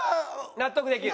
納得できる。